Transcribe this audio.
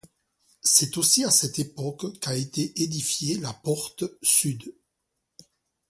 C'est aussi à cette époque qu'a été édifiée la porte sud.